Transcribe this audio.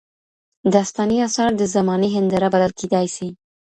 داستاني اثار د زمانې هنداره بلل کيدای سي.